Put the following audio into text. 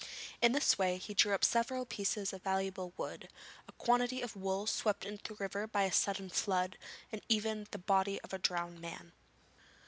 In this way he drew up several pieces of valuable wood, a quantity of wool swept into the river by a sudden flood, and even the body of a drowned man.